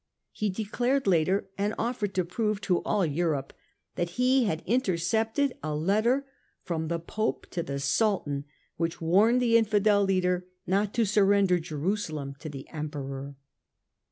He declared later, and offered to prove to all Europe, that he had intercepted a letter from the Pope to the Sultan which warned the Infidel leader not to surrender Jerusalem to the Emperor.